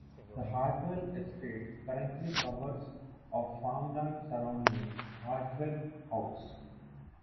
The Hartwell Estate currently covers of farmland surrounding Hartwell House.